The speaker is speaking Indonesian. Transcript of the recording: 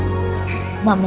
terima kasih irfan